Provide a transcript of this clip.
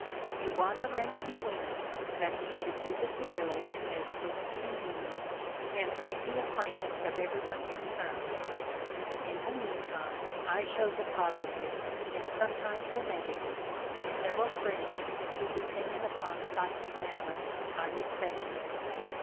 It was arranged between us that he should visit the village as soon as convenient, and 25 THE COMING OF THE FAIRIES make the acquaintance of everyone con cerned. In the meantime, I showed the pos itives, and sometimes the negatives, to sev eral friends whose opinion upon psychic matters I respected.